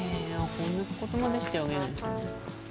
こんなことまでしてあげんですね。